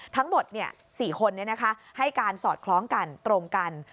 ทั้งหมด๔คนให้การสอดคล้องกันตรงกัน